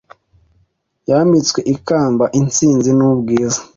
Yambitswe ikamba intsinzi n'ubwiza